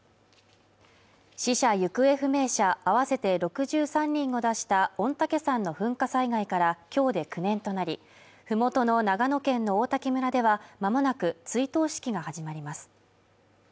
死者・行方不明者合わせて６３人を出した御嶽山の噴火災害からきょうで９年となりふもとの長野県の王滝村ではまもなく追悼式が始まります